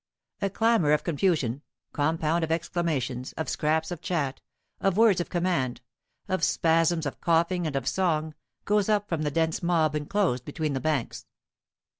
A clamor of confusion, compound of exclamations, of scraps of chat, of words of command, of spasms of coughing and of song, goes up from the dense mob enclosed between the banks.